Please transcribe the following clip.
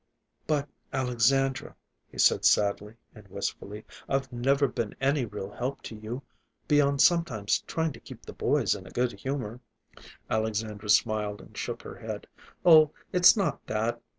"But, Alexandra," he said sadly and wistfully, "I've never been any real help to you, beyond sometimes trying to keep the boys in a good humor." Alexandra smiled and shook her head. "Oh, it's not that.